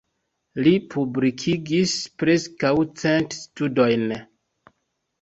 Li publikigis preskaŭ cent studojn.